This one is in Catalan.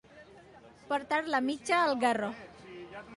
Portar la mitja al garró.